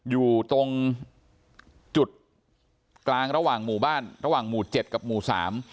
อยู่ตรงจุดกลางระหว่างหมู่บ้านระหว่างหมู่เจ็ดกับหมู่สาม